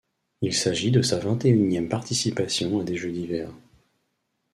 Il s'agit de sa vingt-et-unième participation à des Jeux d'hiver.